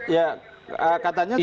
ya katanya surat